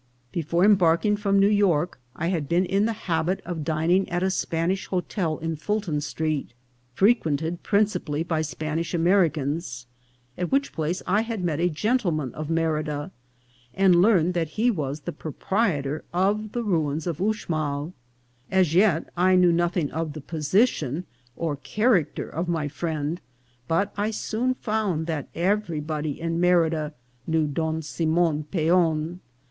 Before embark ing from New York, I had been in the habit of dining at a Spanish hotel in Fulton street, frequented prin cipally by Spanish Americans, at which place I had met a gentleman of Merida, and learned that he was the proprietor of the ruins of Uxmal. As yet I knew nothing of the position or character of my friend, but I soon found that everybody in Merida knew Don Simon Peon.